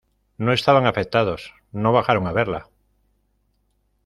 no estaban afectados. no bajaron a verla